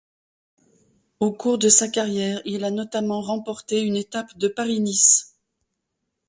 Au cours de sa carrière, il a notamment remporté une étape de Paris-Nice.